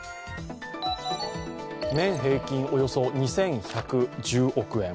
年平均およそ２１１０億円。